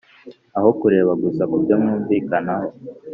aho kureba gusa ku byo mwumvikanaho